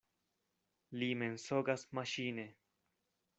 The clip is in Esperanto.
Li mensogas maŝine.